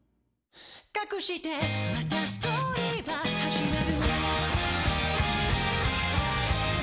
「かくしてまたストーリーは始まる」